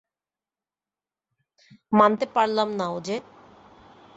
মানতে পারলাম না, ওজে।